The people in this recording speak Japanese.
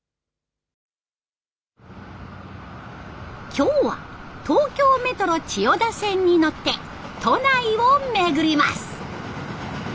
今日は東京メトロ千代田線に乗って都内を巡ります。